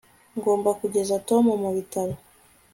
ngomba kugeza tom mubitaro